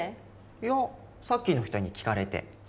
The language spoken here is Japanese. いやさっきの人に聞かれて。